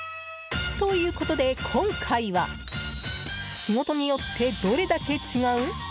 ということで、今回は仕事によってどれだけ違う？